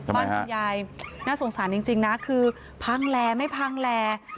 บ้านคุณยายน่าสงสารจริงนะคือพังแลไม่พังแล